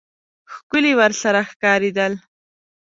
ښکلي ورسره ښکارېدل.